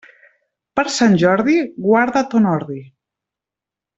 Per Sant Jordi, guarda ton ordi.